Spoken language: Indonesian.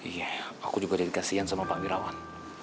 iya aku juga jadi kasihan sama pak wirawan